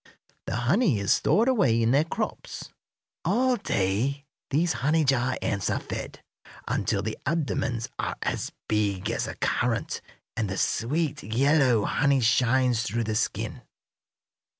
The honey is stored away in their crops. All day these honey jar ants are fed, until the abdomens are as big as a currant, and the sweet, yellow honey shines through the skin.